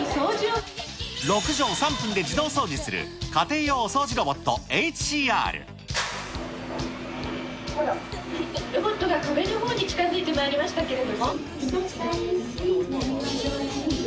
６畳を３分で自動掃除する家ロボットが壁のほうに近づいてまいりましたけれども。